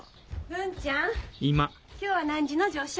文ちゃん今日は何時の乗車？